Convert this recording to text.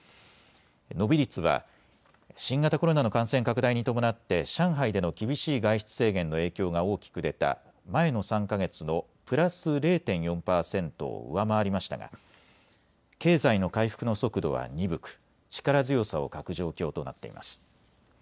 伸び率は新型コロナの感染拡大に伴って上海での厳しい外出制限の影響が大きく出た前の３か月のプラス０．４％を上回りましたが経済の回復の速度は鈍く力強さを欠く状況となっています。